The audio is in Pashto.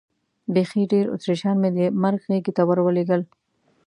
بیخي ډېر اتریشیان مې د مرګ غېږې ته ور ولېږل.